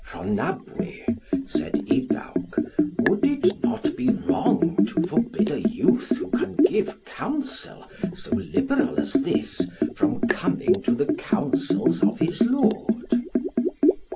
"Rhonabwy," said Iddawc, "would it not be wrong to forbid a youth who can give counsel so liberal as this from coming to the councils of his Lord?"